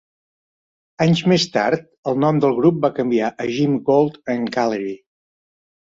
Anys més tard, el nom del grup va canviar a Jim Gold and Gallery.